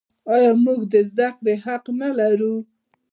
آیا موږ د زده کړې حق نلرو؟